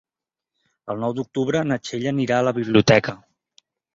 El nou d'octubre na Txell anirà a la biblioteca.